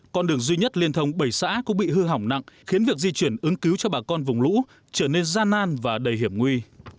con đường duy nhất liên thông bảy xã cũng bị hư hỏng nặng khiến việc di chuyển ứng cứu cho bà con vùng lũ trở nên gian nan và đầy hiểm nguy